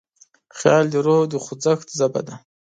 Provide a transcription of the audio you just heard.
خیال د روح د خوځښت ژبه ده.